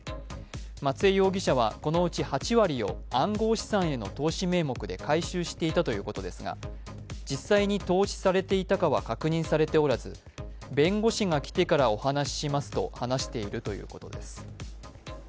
松江容疑者はこのうち８割を暗号資産への投資名目で回収していたということですが実際に投資されていたかは確認されておらず弁護士が来てからお話ししますと話しているということです。